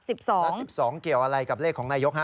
และ๑๒เกี่ยวอะไรกับเลขของนายก